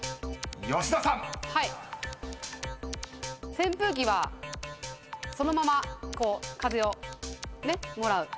扇風機はそのまま風をもらう。